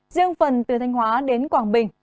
riêng phần từ thanh hóa đến quảng bình